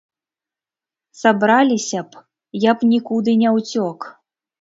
Сабраліся б, я б нікуды не ўцёк.